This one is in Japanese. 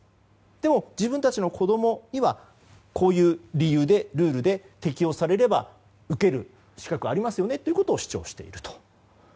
でも自分たちの子供にはこういう理由でルールで、適用されれば受ける資格がありますよねと主張していると。